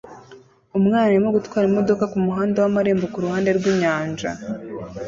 Umwana arimo gutwara imodoka kumuhanda wamarembo kuruhande rwinyanja